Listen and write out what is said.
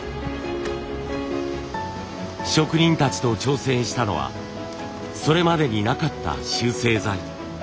職人たちと挑戦したのはそれまでになかった集成材。